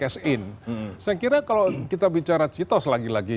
saya kira kalau kita bicara citos lagi lagi